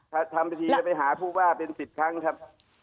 ทันทีเลยไปหาผู้ว่าเป็นสิทธิ์ครั้งครับ